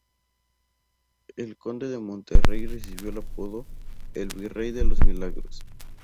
El conde de Monterrey recibió el apodo "el Virrey de los Milagros".